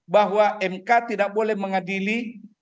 bahwa mk tidak boleh mengadili